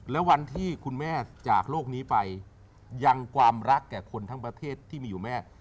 แล้ววันที่คุณแม่จากโลกนี้ไปยังความรักแก่คนทั้งประเทศที่มีอยู่แม่